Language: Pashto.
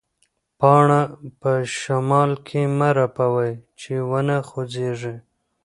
پاڼه په شمال کې مه رپوئ چې ونه غوځېږي.